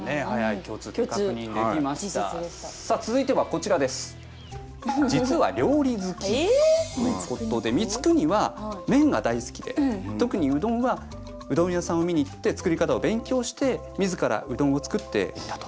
ということで光圀は麺が大好きで特にうどんはうどん屋さんを見に行って作り方を勉強して自らうどんを作っていたと。